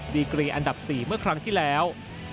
ดีกรีอันดับ๔เมื่อครั้งที่แล้ว